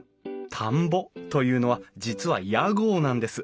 「田んぼ」というのは実は屋号なんです。